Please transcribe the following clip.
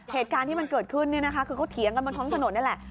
เหตุการณ์ที่มันเกิดขึ้นเนี่ยนะคะคือเขาเถียงกันบนท้องถนนนี่แหละ